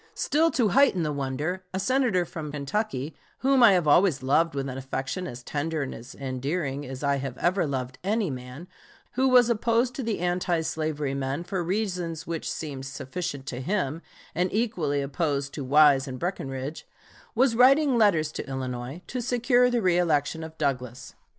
Still to heighten the wonder, a Senator from Kentucky, whom I have always loved with an affection as tender and endearing as I have ever loved any man, who was opposed to the anti slavery men for reasons which seemed sufficient to him and equally opposed to Wise and Breckinridge, was writing letters to Illinois to secure the reëlection of Douglas.